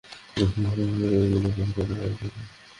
ইন্না লিল্লাহি ওয়া ইন্না ইলাইহি রাজিউন।